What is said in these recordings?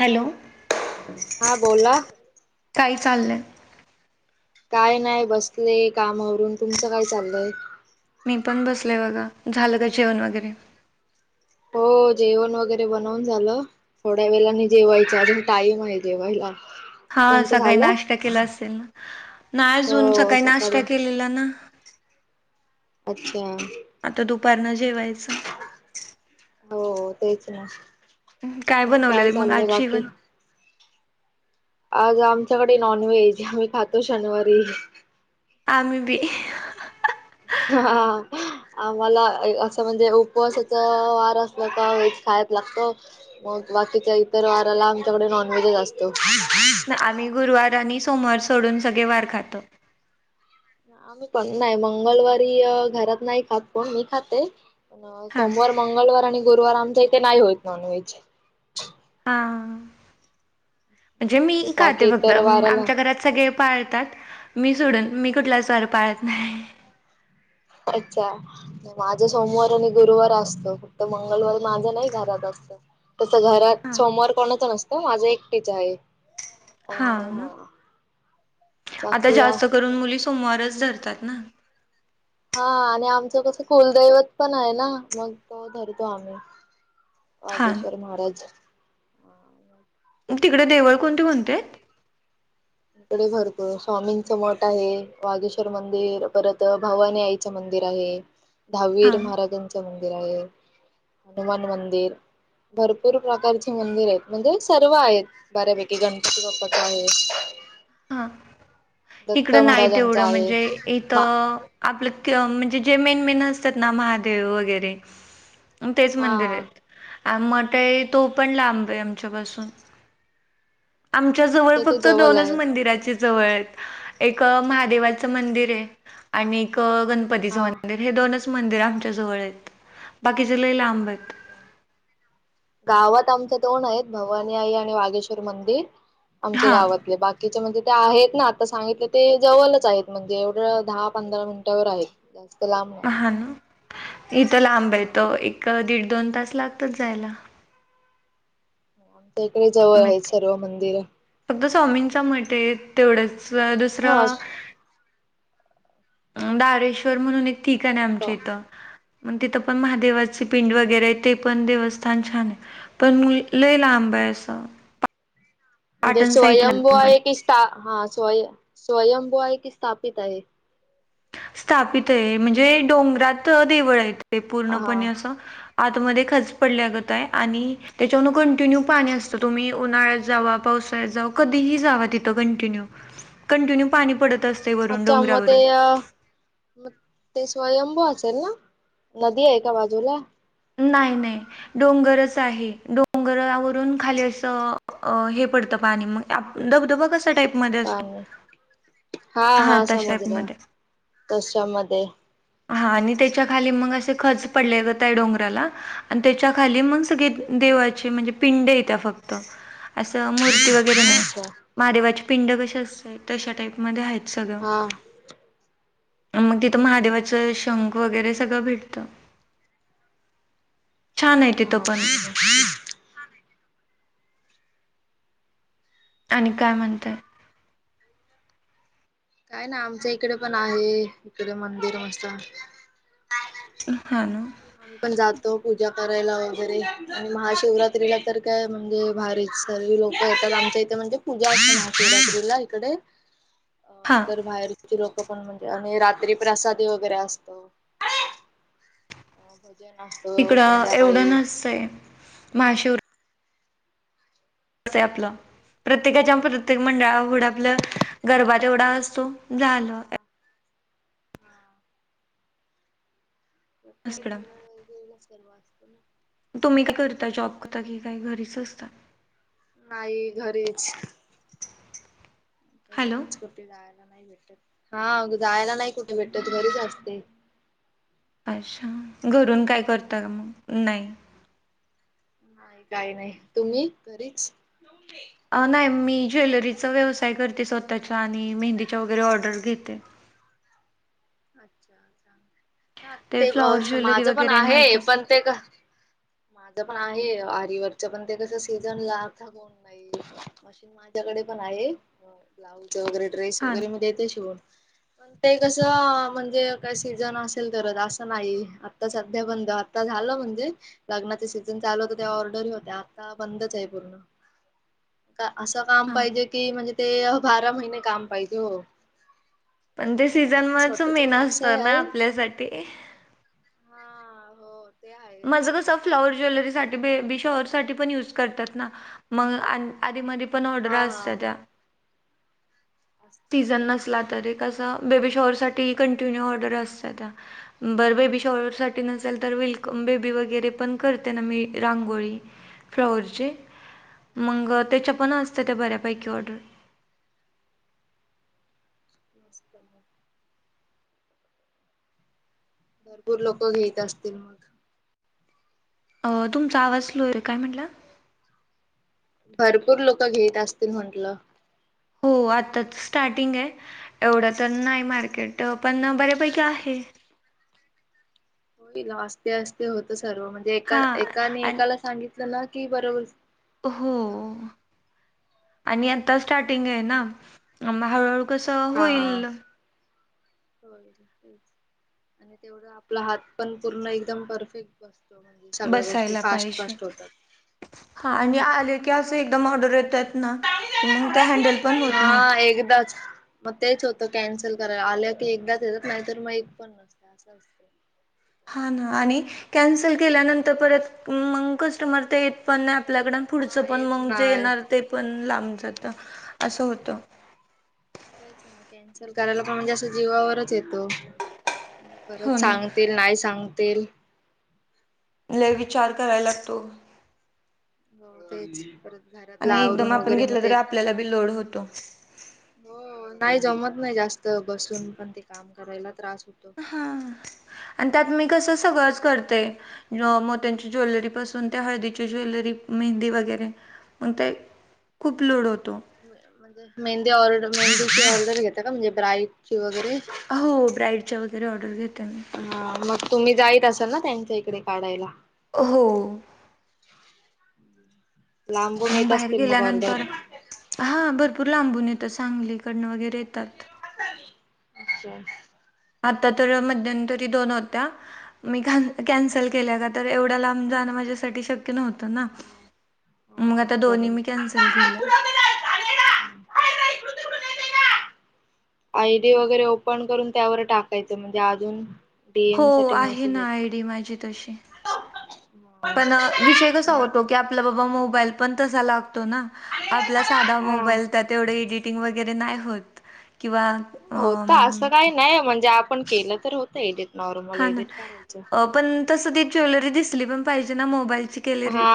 Hello हा बोला काही चाललंय काय नाही बसले कामावरून तुमचं काय चाललंय मी पण बसलय बघा झालं ग जेवण वगैरे हो जेवण वगैरे बनवून झालं थोड्या वेळाने जेवायच अजून टाइम आहे जेवायला हा तुमचं सकाळी झालं नाश्ता केला असेल ना ना अजून सकाळी नाश्ता केलेला ना अचछ आता दुपारन जेवायचं हो तेच ना मग काय बनवलेलं मग आज चाललंय बाकी जेवण आज आमच्याकडे नॉनव्हेज आम्ही खातो शनिवारी आम् बी हा आम्हाला असं म्हणजे उपवासाचा वार असला तरच खायच लागत मग बाकीच्या इतर वाराला आमच्याकडे, नॉनव्हेजच असतो. आम्ही गुरुवार आणि सोमवार सोडून सगळे वार खातो. आम्ही पण नाही मंगळवारी घरात नाही खात, पण मी खाते. हा सोमवार, मंगळवार आणि गुरुवार आमच्या इथे नाही होत नॉनव्हेज. हा म्हणजे मी खाते बाकी फक्त, इतर वाराला आमच्या घरात सगळे पाळतात मी सोडून, मी कुठलाच वार पाळत नाही. अच्छा माझा सोमवार आणि गुरुवार असतो फक्त मंगळवार माझ्या नाही घरात असत. तस घरात हा सोमवार कोणाच नसत, माझं एकटीच आहे. हा आणि हा आता बाकी जास्त अस करून मुली सोमवारच धर धरतात ना. हा आणि आमचं कसं कुलदैवत पण आहे ना, मग तो धरतो आम्ही. हा वागेश्वर महाराज ह ग तिकडे देवळ कोणते कोणते? इकडे भरपूर स्वामींचं मठ आहे वागेश्वर मंदिर परत भवानी आईचं मंदिर. मंदिर आहे हा दहावीर महाराजांच मंदिर आहे हनुमान मंदिर. भरपूर प्रकारचे मंदिर आहेत म्हणजे सर्व आहेत बऱ्यापैकी गणपती बाप्पा च आहे. हा दत्त इकडं नाही महाराजांचा तेवढं आहे म्हणजे इथ. मा आपलं म्हणजे जे मेनमेन असतात ना महादेव वगैरे, तेच हा मंदिर आहेत. आ मठ तो पण लांब आहे आमच्या पाासून आमच्या जवळ इथे फक्त जवळ दोनच आहे मंदिर. एक महादेवाच मंदिर आहे आणि गणपतीचं हा मंदिर हे दोनच मंदिर आमच्या जवळ आहेत बाकीचे लयला लांब आहेत. गावात आमचे दोन आहेत भवानी आई आणि वागेश्वर मंदिर आमच्या हा गावातले बाकीच्या म्हणजे ते आहेत ना आता सांगितले ते जवळच आहेत म्हणजे एवढं दहा पंधरा मिनिटावर आहेत जात. हा ना इथं लांब येतो हा एक दीड दोन तास लागतात जायला. आमच्या इकडे जवळ आहेत सर्व मंदिर. स्वामींच मठ ये तेवढंच हा दुसरं दारेश्वर म्हणून एक ठिकाण आहे आमच्या इथं मग तिथं पण महादेवाचे पिंड वगैरे आहे ते पण देवस्थान छान आहे पण लय लांब बायस म्हणजे स्वयंभू आहे कि हा स्वयं स्वयंभू आहे की स्थापित आहे. स्थापित आहे म्हणजे डोंगरात देवळ आहे ते पूर्णपणे हा असं. आतमध्ये खज पडल्यागत आहे आणि त्याच्यान कंटिन्यू पाणी असतं तुम्ही उन्हाळ्यात जावा पाव पावसाळ्यात जावा, कधी ही जावा तिथ कॉन्टिन्यू पाणी पडत असते वरून अच्छा मग ते डोंगरावरून मग ते स्वयंभू असेल ना नदी आहे का बाजूला नाही नाही डोंगरच आहे डोंगरावरून खाली असं हे पडत मग धबधबा कसा टाईप पाणी हा हा तशा समजलं टाईपमध्ये त्याच्यामध्ये हा आणि त्याच्या खाली मग असं खच पडले गता डोंगराला आणि त्याच्या खाली मग सगळे देवाचे म्हणजे पिंड येत फक्त अस मूर्ती वगैरे नाही, अच्छा महादेवाची. पिंड कसे असतय तशा टाईपमध्येध्ये आहेत सगळं हा. मग तिथं महादेवाच शंख वगैरे सगळं भेटत - हो आणि काय म्हणतय काय ना आमच इकडे पण आहे इकडे मंदिर मस्त हा ना आम्ही पण जातो पूजा करायला वगैरे आणि महाशिवरात्रीला तर काय म्हणजे भारी सर्व लोक येतात आमच्या इथे म्हणजे पूजा असतला इकडे डणरथझद अ तर बाहेर पण म्हणजे आणि रात्री प्रसादी वगैरे असत हो ब इकडं एवढं नसतय महाशिवर कस आहे आपलं प्रत्येकाच्या प्रत्येक मंडळावरढं आपलं गर्भात एवढा असतो हा झाला हा नमस् मॅडम र वास्तो ना तुम्ही काय करता जॉब करता कि काय घरीच असत नाही घरीच आ हॅलो घरीच कुठती जार भेट हा जायला नाही कुठे भेटत घरीच असते अच्छा घरून काय करता का मग नाही नाही काही नाही तुम्ही घरीच की नाही जॉब मी ज्वेलरी व्यवसाय करते स्वतःच्या आणि मेहंदीच्या वगैरे ऑर्डर घेते अच्छा ांग ते फ्लॉवर ज्वेलरी माझं पण वगैरे आहे माहितच पण ते माझ पण आहे च पण ते कस सीझनला अथ कोण नाही मशीन माझ्याकडे पण आहे ब्लाउज वैरे ड्रेस हां वगैरे मी देते शवून पण ते कसं म्हणजे का सीझन असेल अस नाही आता सध्या बंद आता झालं म्हणजे को सीझन चालू होत ते ऑर्डर हो्या आता बंदच आहे पूर्ण मरझढ असं काम पाहिजे की म्हणजे ते बारा महिने काम पाहिजे हो पण ते हा सीझन कसा मच स्वतःचा मेन असत व्यवसाय ना आहे आपल्यासाठी हा हो ते आहेच माझं कसं फ्लावर ज्वेलरी आईयरदद पण ऑर्डर हा असता हा त्या असतात सीझन बरोबर नसला तर एक चांगलं अस आहे बेबी शअर साठी कंटिन्यू ऑर्डर असत त्या बर बेबी शॉर साठी नसेल तर विल बेबी वगैरे पण करते ना मी रांगोळी फ्लॉवररचे मग त्याच्या पण असत त्या बऱ्यापैकी ऑर्डर मस्त भरपूर लोक घेत असतील मग अ तुमचा आवाज सुलो रे काय म्हटलं भरपूर लोक घेत असतील म्हंटलं हो हो आताच स्टार्टिंग आहे एवढं तर नाही मार्केट पण बऱ्यापैकी आहे होईल असस्ते असस्ते होत सर्व म्हणजे एका हां एकाने आणि एकाला सांगितलं ना की बरोबर हो होत आणि आता स्टार्टिंग आहे ना तेच हळूहळू कस हा होईल होय आणि तेवढ आपला हात पण पूर्ण एकदम परफेक्ट बसतो. म्हणजे सगळ्या गोष्टी बसायला फास्ट पाहिजे. फास्ट होतात. हां आणि आले की अस एकदम ऑर्डर येतात- ना कि मग त्या हॅन्डल पण होत नाहीत. हा एकदाच मग तेच होतं कॅन्सल करायला. आल्या की एकदाच येतात नाहीतर मग एक पण नसते असं असत. हा ना आणि कॅन्सल केल्यानंतर परत मग कस्टमर ते येत पण- आपल्याकड पुढच हा पण येत मग जे नाय येणार ते पण लाब- जात असं होत. तेच ना कॅन्सल करायला पण म्हणजे असं जीवावरच येत. हो परत ना सांगतील नाही सांगतील. लई विचार कराय लागतो. हो तेच. घरातल आणि एकदम आवरून आपण वगैरे मग घेतलं ते, तरी आपल्याला बी लोड होतो हो. नाही जमत. नाही जास्त बसून पण ते काम करायला त्रास- होतो. हा आणि त्यात मी कस सगळं- करते. मोत्यांची ज्वेलरी पासून त्या हळदीच्या ज्वेलरी, मेहंदी वगैरे. मग ते खूप लोड होत. म्हणजे मेहंदी ऑर्डर, म्हणजे ती ऑर्डर घेता का म्हणजे ब्राईडची वगैरे? हो ब्राईडच्या वगैरे ऑर्डर घेते. मी. हा. मग तुम्ही जाईत असाल ना त्यांच्या इकडे काढायला? हो. हम्म मग बाहेर गेल्यानंतर- हा भरपूर लांबून- सांगलीकडनं वगैरे येतात. अच्छा. आता तर मध्यंतरी दोन होत्या. मी कॅन्सल केल्या का तर? एवढ्या लांब जाणार- माझ्यासाठी शक्य - तना? म आता हा दोन्ही मी बरोबर कॅन्सल केल्या. गिला- आयडी वगैरे ओपन करून त्यावर टाकायचं. म्हणजे अजून- हो. डीएम साठी आहे मेसेज ना येत. आयडी माझी तशी. पण विषय कसा होतो की आपला बाबा मोबाईल पण तसा लागतो. तोना. आपला साधा हा मोबाईल त्यात एवढी एडिटिंग वगैरे नाही होत. किंवा होत अंम असं काही नाही म्हणजे आपण - केलं तर होतं एडिट नॉर्मल हा ना. एडिट करायचं. पण तस ती ज्वेलरी दिसली पण पाहिजे ना मोबाईल- हा.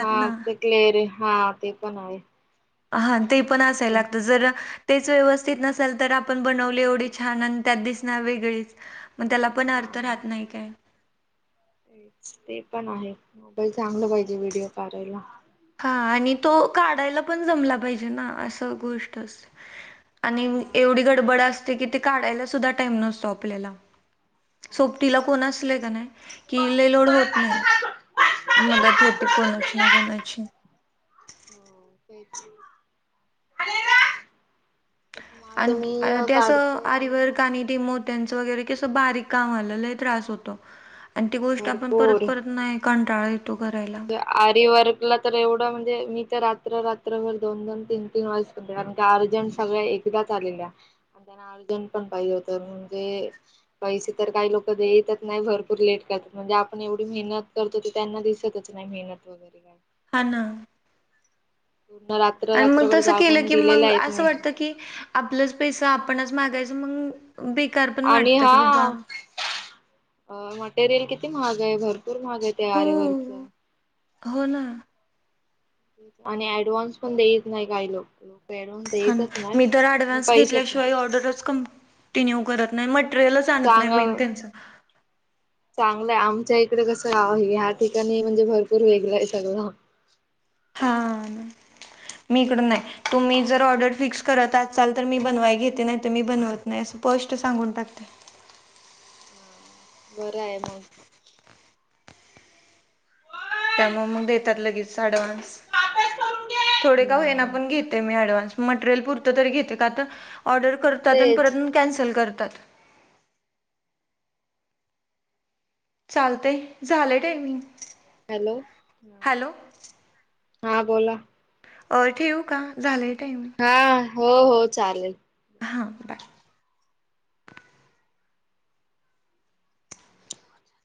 हा ते क्लेअर. आहे हा ते पण आहे. हा ते पण असाय लागत जर तेच व्यवस्थित नसेल तर- आपण बनवली एवढी छान आणि त्यात दिसणार वेगळीच, मग त्याला पण अर्थ हा राहत नाही काही. तेच ते पण आहे पण चांगलं पाहिजे व्हिडिओ का ढायला. हा आणि तो काढायला पण जमला पाहिजे ना? असं गोष्ट अस - आणि हा एवढी गडबड असते की, ते काढायला सुद्धा टाईम नसतो आपल्याला. हा तेच सोबतीला कोण असलय का तस नाही? की लई लोड होत नाही. अच्छा मदत होते कोणाची ना कोणाची. हम तेच. तस माझं अन मी त्या असं काढते आणि मग आरीवर्क आणी मोत्यांचं वगैरे कसं बारीक- कामाला लई त्रास होतो आणि ती गोष्ट आपण परत परत नाही कंटाळ- म्हणज आरिवर्कला तर एवढं म्हणजे मी तर- रात्र रात्रभर दोन- दोन, तीन -तीन वाज- कारण का अर्जंट सगळ्या एकदाच आलेल्या. त्यांना अर्जंट पण पाहिजे होत म्हणून ते पैसे तर काही लोक देेतच नाही. भरपूर लेट- म्हणजे, आपण एवढी मेहनत करतो ते त्यांना दिसतच नाही मेहनत वगैरे. हा ना. पूर्ण रात्र आणि मग रात्रभर तसं केलं जागून की दिलेला मग आहे असं तुम्ही. वाटत की आपलंच पैसा हा. आपणच मागायच मग. बेकार पण आणि वाटतं की हा बाबा मटेरियल किती महाग आहे भर पुर माग त्या हो आरेवरच. हो ना आणि ऍडव्हान्स पण देत नाही काही लोक. ऍडव्हान्स हा देतच नाही. मी तर आणि ऍडव्हान्स पैसे पण घेतल्याशिवाय ऑर्डरच क कटीन्यू करत नाही मटेरियलच आणत नाही मेन त्यांच. चांगलंय आमच्या इकडे कसंव ह्या ठिकाणी म्हणजे भरपूर वेगला आहे सगळ हा. मीकड नाही तुम्ही जर ऑर्डर फिक्स करत आचाल तर मी बनवाय घेते नाही, तर मी बनवत नाही. पष्ट सांगून टाकते. बरं आहे मग. त्यामुळे मग देतात लगेच आडवन्स. थोडे का हो ना हा पण घेते मीआडवस मटेरियल पुर तरी घेते का ऑर्डर करतात आणि तेच परत कॅन्सल करतात. चालतय झालंय टायमिंग. हॅलो हॅलो हा बोला अ ठेवू का झालय. हा हो हो चालेल. हां बाय.